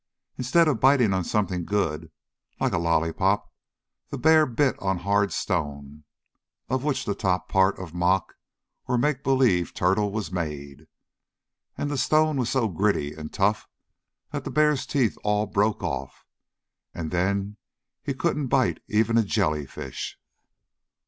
Instead of biting on something good, like a lollypop, the bear bit on the hard stone, of which the top part of Mock, or Make Believe, Turtle was made, and the stone was so gritty and tough that the bear's teeth all broke off, and then he couldn't bite even a jelly fish.